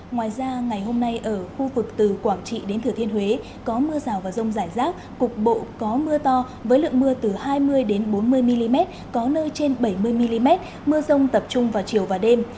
ngoài ra ngày hôm nay ở khu vực từ quảng trị đến thừa thiên huế có mưa rào và rông rải rác cục bộ có mưa to với lượng mưa từ hai mươi bốn mươi mm có nơi trên bảy mươi mm mưa rông tập trung vào chiều và đêm